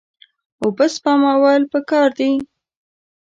اوبه سپمول پکار دي.